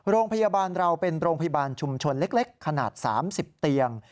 โรงพยาบาลเราเป็นโรงพยาบาลชุมชนเล็กขนาด๓๐เตียง